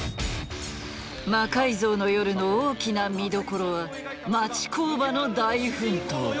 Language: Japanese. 「魔改造の夜」の大きな見どころは町工場の大奮闘。